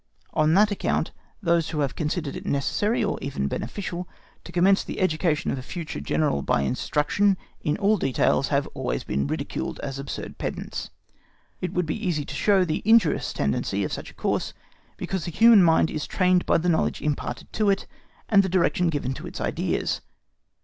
On that account those who have considered it necessary or even beneficial to commence the education of a future General by instruction in all details have always been ridiculed as absurd pedants. It would be easy to show the injurious tendency of such a course, because the human mind is trained by the knowledge imparted to it and the direction given to its ideas.